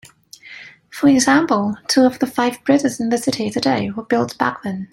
For example, two of the five bridges in the city today were built back then.